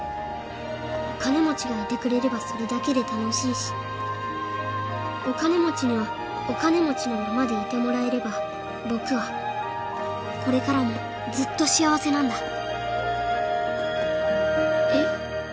お金持ちがいてくれればそれだけで楽しいしお金持ちにはお金持ちのままでいてもらえれば僕はこれからもずっと幸せなんだえっ？